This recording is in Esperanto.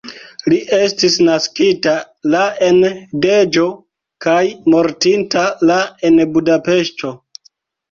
Li estis naskita la en Deĵo kaj mortinta la en Budapeŝto.